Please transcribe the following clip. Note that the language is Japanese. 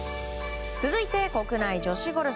続いて国内女子ゴルフ。